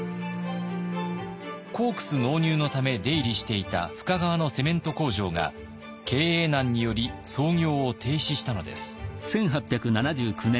コークス納入のため出入りしていた深川のセメント工場が経営難により操業を停止したのです。